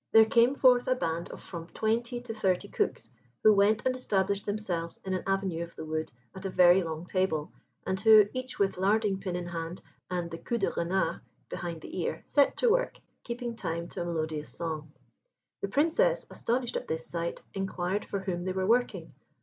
There came forth a band of from twenty to thirty cooks, who went and established themselves in an avenue of the wood at a very long table, and who, each with larding pin in hand and the queue de renard behind the ear, set to work, keeping time to a melodious song. The Princess, astonished at this sight, inquired for whom they were working.